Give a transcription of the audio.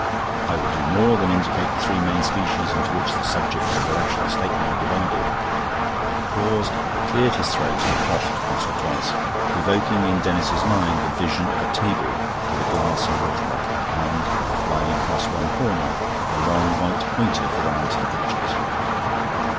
I will do more than indicate the three main species into which the subjects of the Rational State will be divided." He paused, cleared his throat, and coughed once or twice, evoking in Denis's mind the vision of a table with a glass and water bottle, and, lying across one corner, a long white pointer for the lantern pictures.